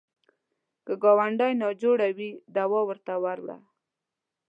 که ګاونډی ناجوړه وي، دوا ورته وړه